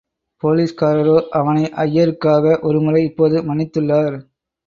போலீஸ்காரரோ, அவனை ஐயருக்காக ஒரு முறை இப்போது மன்னித்துள்ளார்.